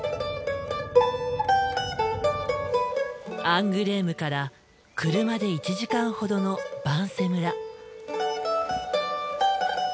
アングレームから車で１時間ほどのヴァンセ村。